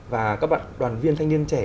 và các bạn đoàn viên thanh niên trẻ